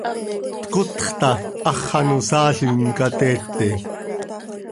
tcotxta, hax ano saalim ca teete.